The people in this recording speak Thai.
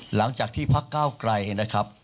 หลังจากที่พักเก้าไกรนะครับ